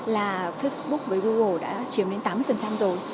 là facebook với google đã chiếm đến tám mươi rồi